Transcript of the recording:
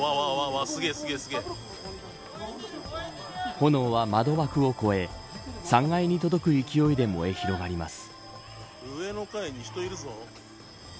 炎は窓枠を超え３階に届く勢いで燃え広がります。